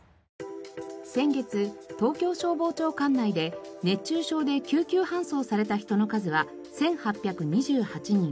先月東京消防庁管内で熱中症で救急搬送された人の数は１８２８人。